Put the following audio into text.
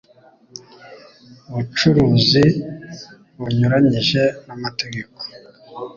bucuruzi bunyuranyije n amategeko